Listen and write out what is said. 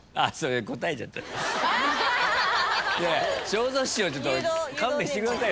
正蔵師匠ちょっと勘弁してくださいよ。